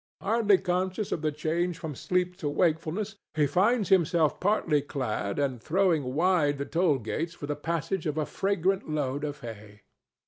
Hardly conscious of the change from sleep to wakefulness, he finds himself partly clad and throwing wide the toll gates for the passage of a fragrant load of hay.